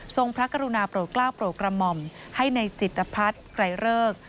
ทรงพระกรุณาโปรดกล้าวโปรดกรมมให้ในจิตภัทธ์ไกลเลิก